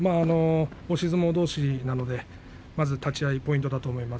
押し相撲どうしなので立ち合いポイントだと思います